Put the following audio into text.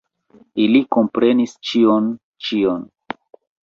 Ili komprenis ĉion, ĉion!